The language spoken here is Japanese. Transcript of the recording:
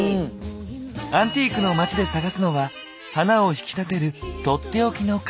アンティークの街で探すのは花を引き立てる取って置きの花瓶。